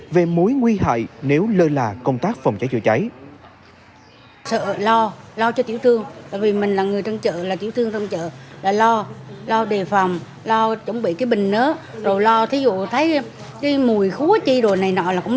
về mối nguy hại nếu lơ là công tác phòng cháy chữa cháy